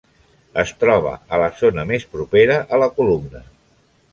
Es troba a la zona més propera a la columna.